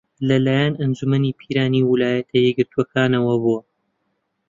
لەلایەن ئەنجوومەنی پیرانی ویلایەتە یەکگرتووەکانەوە بووە